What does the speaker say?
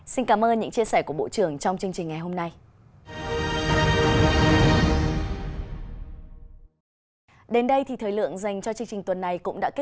xin cảm ơn những chia sẻ của bộ trưởng trong chương trình ngày hôm nay